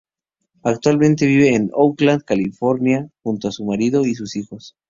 Actualmente vive en Oakland, California junto a su marido y sus hijos.